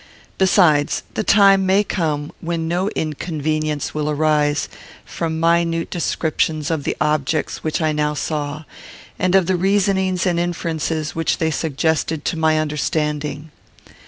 Besides, the time may come when no inconvenience will arise from minute descriptions of the objects which I now saw, and of the reasonings and inferences which they suggested to my understanding.